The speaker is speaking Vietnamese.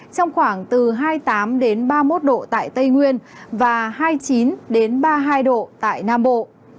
trong khoảng từ hai mươi tám ba mươi một độ tại tây nguyên và hai mươi chín ba mươi hai độ tại nam bộ